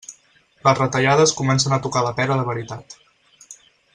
Les retallades comencen a tocar la pera de veritat.